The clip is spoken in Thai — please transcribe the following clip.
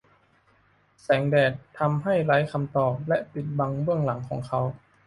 แสงแดดทำให้ไร้คำตอบและปิดบังเบื้องหลังของเขา